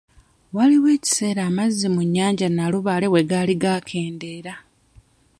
Waaliwo ekiseera amazzi mu nnyanja Nalubaale bwe gaali gakendeera.